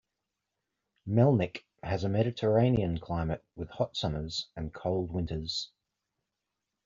Melnik has a Mediterranean climate with hot summers and cold winters.